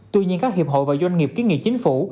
tuy nhiên các hiệp hội và doanh nghiệp kiến nghị chính phủ